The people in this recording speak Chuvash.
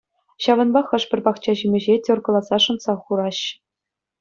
Ҫавӑнпа хӑш-пӗр пахча-ҫимӗҫе теркӑласа шӑнтса хурҫҫӗ.